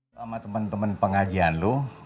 sama temen temen pengajian lo